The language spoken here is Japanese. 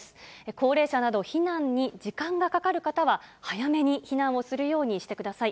高齢者など避難に時間がかかる方は、早めに避難をするようにしてください。